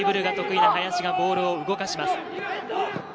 ドリブルが得意な林がボールを動かします。